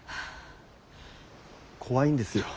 怖いんですよ